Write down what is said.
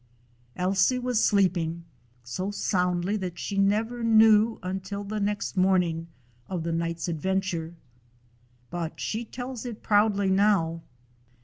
Ailsie was sleeping; so soundly that she never knew until the next morning of the night's adventure. But she tells it proudly now.